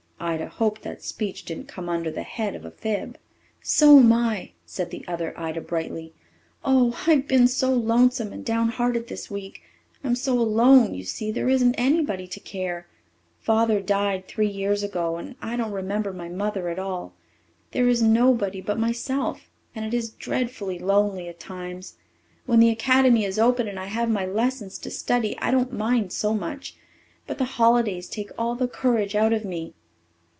Ida hoped that speech didn't come under the head of a fib. "So am I," said the other Ida brightly. "Oh, I've been so lonesome and downhearted this week. I'm so alone, you see there isn't anybody to care. Father died three years ago, and I don't remember my mother at all. There is nobody but myself, and it is dreadfully lonely at times. When the Academy is open and I have my lessons to study, I don't mind so much. But the holidays take all the courage out of me."